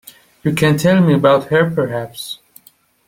You can tell me about her perhaps?